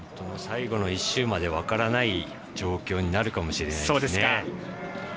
最後の１周まで分からない状況になるかもしれないですね。